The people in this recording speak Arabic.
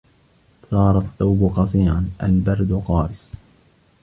صَارَ الثَّوْبُ قَصِيرًا. الْبَرْدُ قَارِسٌ.